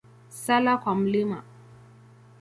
Sala kwa Mt.